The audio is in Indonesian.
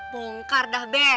bongkar dah be